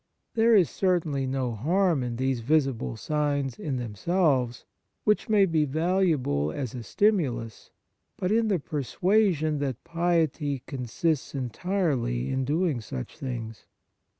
There is certainly no harm in these visible signs in them selves, which may be valuable as a stimulus, but in the persuasion that piety consists entirely in doing such things.